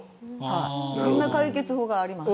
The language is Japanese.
そんな解決法があります。